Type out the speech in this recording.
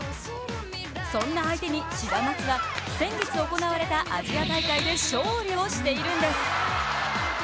そんな相手にシダマツは先月行われたアジア大会で勝利を挙げているんです。